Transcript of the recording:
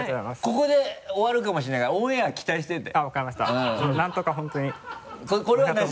ここで終わるかもしれないからオンエア期待してて。